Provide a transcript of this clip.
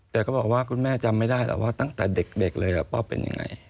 แต่ก็บอกว่าคุณแม่จำไม่ได้หรอกว่าตั้งแต่เด็กเลยล่ะพ่อเป็นยังไง